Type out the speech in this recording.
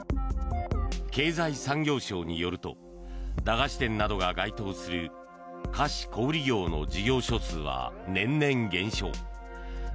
経済産業省によると駄菓子店などが該当する菓子小売業の事業所数は年々、減少。